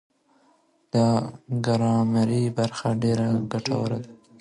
دا ګرامري برخه ډېره ګټوره ده.